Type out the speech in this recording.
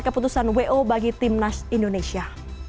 keputusan wo bagi timnas indonesia